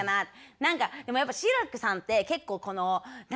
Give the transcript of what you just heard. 何かでもやっぱ志らくさんって結構この何？